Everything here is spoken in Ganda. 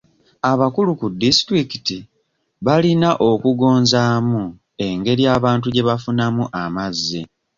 Abakulu ku disitulikiti balina okugonzaamu engeri abantu gye bafunamu amazzi.